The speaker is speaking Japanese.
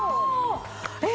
えっ。